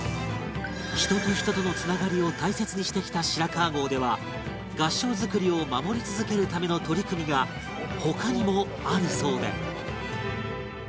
人と人とのつながりを大切にしてきた白川郷では合掌造りを守り続けるための取り組みが他にもあるそうで